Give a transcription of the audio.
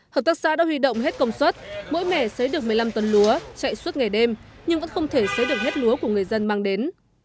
hợp tác xã đã huy động hết công suất mỗi mẻ xây được một mươi năm tấn lúa chạy suốt ngày đêm nhưng vẫn không thể xấy được hết lúa của người dân mang đến